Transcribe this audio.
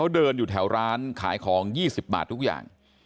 เดินอยู่แถวร้านขายของ๒๐บาททุกอย่าง